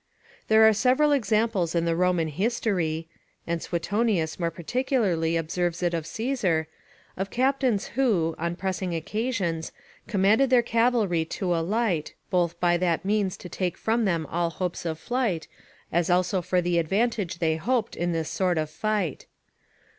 There are several examples in the Roman history (and Suetonius more particularly observes it of Caesar) of captains who, on pressing occasions, commanded their cavalry to alight, both by that means to take from them all hopes of flight, as also for the advantage they hoped in this sort of fight.